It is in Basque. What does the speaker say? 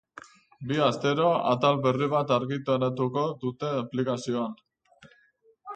Bi astero atal berri bat argitaratuko dute aplikazioan.